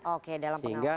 oke dalam pengawasan ya